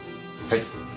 はい。